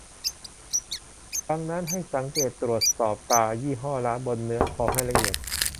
ดังนั้นให้สังเกตตรวจสอบตรายี่ห้อร้านบนเนื้อทองให้ละเอียด